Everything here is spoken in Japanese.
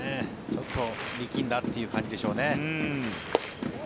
ちょっと力んだという感じでしょうね。